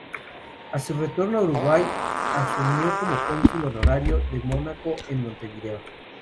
A su retorno a Uruguay asumió como Cónsul Honorario de Mónaco en Montevideo.